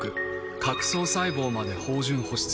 角層細胞まで豊潤保湿。